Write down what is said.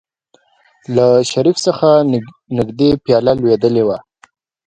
له شريف څخه نژدې پياله لوېدلې وه.